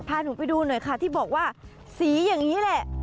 พาหนูไปดูหน่อยค่ะที่บอกว่าสีอย่างนี้แหละ